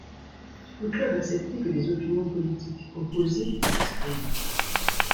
Le club acceptait que des opinions politiques opposées s'expriment.